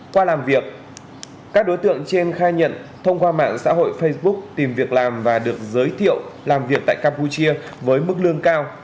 qua làm việc các đối tượng trên khai nhận thông qua mạng xã hội facebook tìm việc làm và được giới thiệu làm việc tại campuchia với mức lương cao